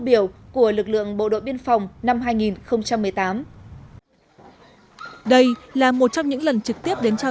biểu của lực lượng bộ đội biên phòng năm hai nghìn một mươi tám đây là một trong những lần trực tiếp đến trao